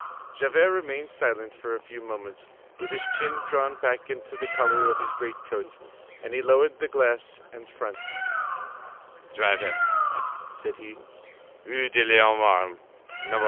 Javert remained silent for a few moments, with his chin drawn back into the collar of his great coat, then he lowered the glass and front: "Driver," said he, "Rue de l'Homme Armé, No.